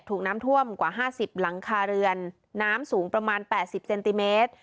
ถูกน้ำท่วมกว่า๕๐หลังคาเรือนน้ำสูงประมาณ๘๐เซนติเมตร